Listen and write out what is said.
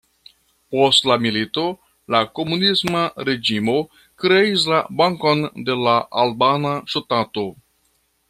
Post la milito la komunisma reĝimo kreis la Bankon de la Albana Ŝtato.